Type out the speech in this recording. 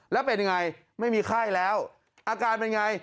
แล้วเป็นยังไงไม่มีไข้แล้วอาการเป็นไง